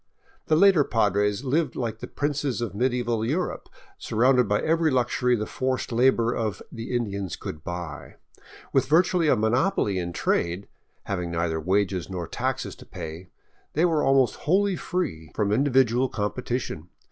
The later Padres lived like the princes of medieval Europe, surrounded by every luxury the forced labor of the Indians could buy. With virtually a monopoly in trade, having neither wages nor taxes to pay, they were almost wholly free 581 VAGABONDING DOWN THE ANDES from individual competition.